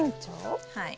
はい。